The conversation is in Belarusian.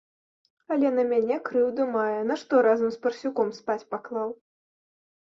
Але на мяне крыўду мае, нашто разам з парсюком спаць паклаў.